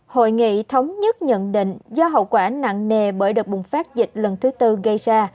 hội nghị thống nhất nhận định do hậu quả nặng nề bởi đợt bùng phát dịch lần thứ tư gây ra